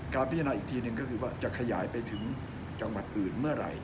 พิจารณาอีกทีหนึ่งก็คือว่าจะขยายไปถึงจังหวัดอื่นเมื่อไหร่